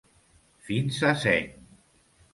Fins a seny.